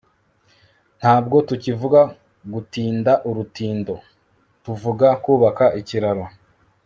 ntabwo tukivuga gutinda urutindo, tuvuga kubaka ikiraro